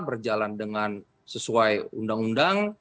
berjalan dengan sesuai undang undang